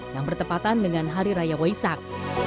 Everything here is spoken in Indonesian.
yang bertepatan dengan hari raya waisak